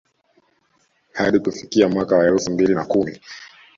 Hadi kufikia mwaka wa elfu mbili na kumi